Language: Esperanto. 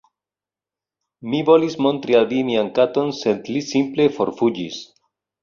Mi volis montri al vi mian katon sed li simple forfuĝis